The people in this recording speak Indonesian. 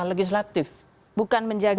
legislatif bukan menjaga